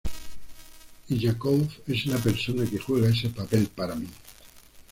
Y Yakov es la persona que juega ese papel para mí.